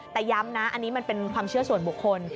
แต่ย้ำนะอันนี้มันเป็นความเชื่อส่วนบุคคล